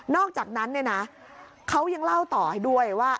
นอกจากนั้นเขายังเล่าต่อให้ด้วยว่า